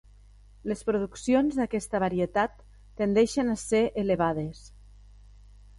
Les produccions d’aquesta varietat tendeixen a ser elevades.